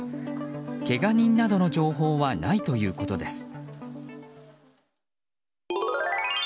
けが人などの情報はないということです。